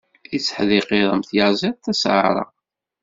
Itteḥdiqiṛ am tyaziḍt tasaɛṛaqt.